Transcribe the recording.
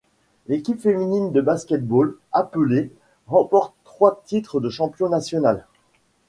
L'équipe féminine de basket-ball, appelée ', remporte trois titres de champion national.